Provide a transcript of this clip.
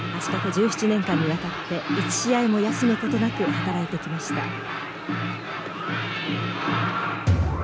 足かけ１７年間にわたって一試合も休むことなく働いてきました。